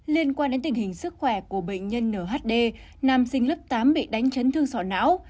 liên quan đến tình hình sức khỏe của bệnh nhân nhd nam sinh lớp tám bị đánh chấn thương sọ não